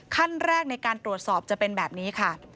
ขั้นแรกในการตรวจสอบจะเป็นแบบนี้ค่ะ